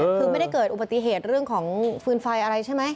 คือไม่ได้เกิดอุบัติเหตุเรื่องของฟืนไฟอะไรใช่ไหม